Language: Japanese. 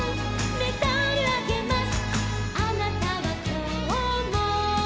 「メダルあげます」